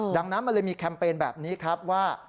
ดังนั้นมันเลยมีแคมเปญแบบนี้ครับว่า